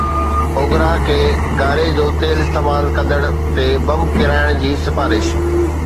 OGRA کي گاري جو تيل استعمال ڪندڙن تي بم ڪيرائڻ جي سفارش